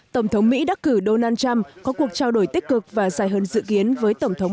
tổng thống mỹ đắc cử donald trump có cuộc trao đổi tích cực và dài hơn dự kiến với tổng thống